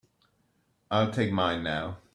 I'll take mine now.